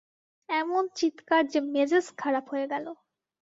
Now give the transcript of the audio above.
এমন চিৎকার যে মেজাজ খারাপ হয়ে গেল!